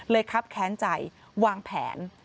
ครับแค้นใจวางแผน